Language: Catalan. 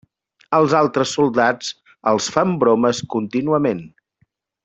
Els altres soldats els fan bromes contínuament.